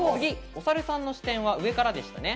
おさるさんの視点は上からでしたね。